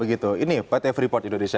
ini pt freeport indonesia